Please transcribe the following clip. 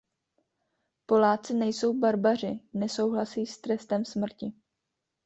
Poláci nejsou barbaři, nesouhlasí s trestem smrti.